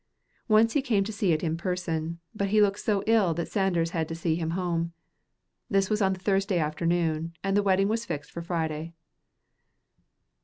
Once he came to see it in person, but he looked so ill that Sanders had to see him home. This was on the Thursday afternoon, and the wedding was fixed for Friday.